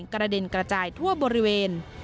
กระเด็นกระจายทั่วบริเวณ